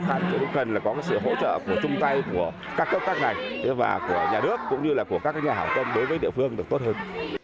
chúng tôi cũng cần là có sự hỗ trợ của chung tay của các cấp các này của nhà nước cũng như là của các nhà hảo tâm đối với địa phương được tốt hơn